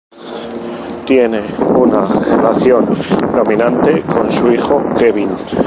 Tiene una relación dominante con su hijo Kevin.